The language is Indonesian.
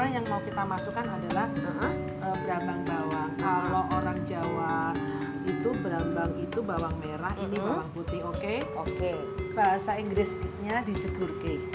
yang mau kita masukkan adalah berambang bawang kalau orang jawa itu berambang itu bawang merah ini bawang putih oke oke bahasa inggrisnya dicegur ke